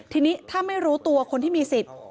ทีนี้ถ้าไม่รู้ตัวคนที่มีสิทธิ์